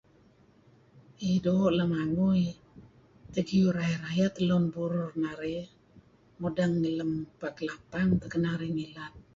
Iih doo' lemangui tegiu' rayeh rayeh teh lem burur narih. Mudeng ngi Pa' Kelapang narih ngilad.